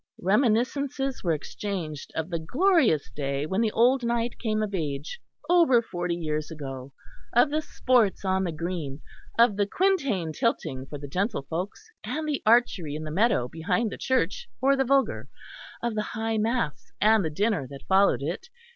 Reminiscences were exchanged of the glorious day when the old knight came of age, over forty years ago; of the sports on the green, of the quintain tilting for the gentlefolks, and the archery in the meadow behind the church for the vulgar; of the high mass and the dinner that followed it.